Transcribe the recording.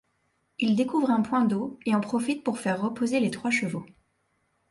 Il découvre un point d'eau et en profite pour faire reposer les trois chevaux.